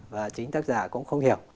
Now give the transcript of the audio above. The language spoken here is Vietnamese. và chính tác giả cũng không hiểu